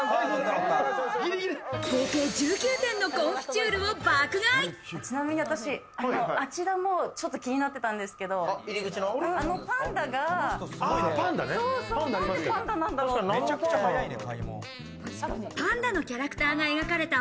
合計１９点のコンフィチューちなみに私、あちらもちょっと気になってたんですけど、あのパンダが、何でパンダなんだろうって。